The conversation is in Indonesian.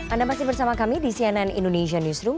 anda masih bersama kami di cnn indonesia newsroom